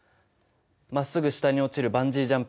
まっすぐ下に落ちるバンジージャンプ。